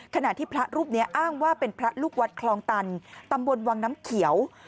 ขณะที่พระรูปนี้อ้างว่าเป็นพระลูกวัดคลองตันตำบลวังน้ำเขียว